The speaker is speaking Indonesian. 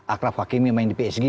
akraf hakim yang main di psg